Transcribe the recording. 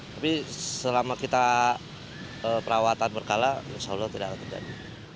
tapi selama kita perawatan berkala insya allah tidak akan terjadi